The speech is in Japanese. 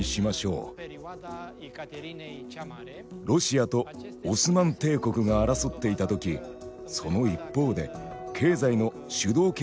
ロシアとオスマン帝国が争っていた時その一方で経済の主導権争いも起きていました。